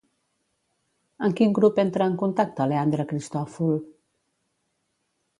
Amb quin grup entra en contacte Leandre Cristòfol?